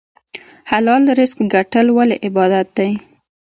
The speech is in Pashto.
حلال رزق ګټل ولې عبادت دی؟